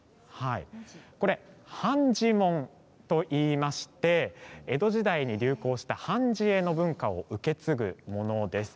判じもんといいまして江戸時代に流行した判じ絵の文化を受け継ぐものです。